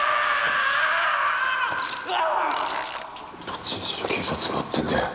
どっちにしろ警察が追ってんだよ。